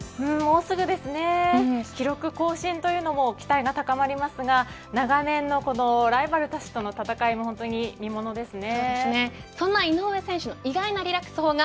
記録更新というのも期待が高まりますが長年のこのライバルたちとの戦いも本当に見ものですね。